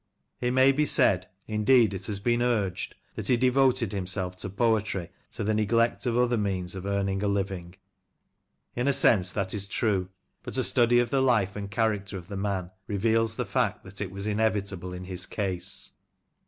It may be said — indeed it has been urged — that he devoted himself to poetry to the neglect of other means of earning a living. In a sense that is true ; but a study of the life and character of the man reveals the fact that it was inevitable in his case.